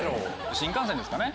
新幹線ですかね？